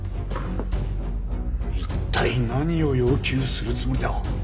一体何を要求するつもりだ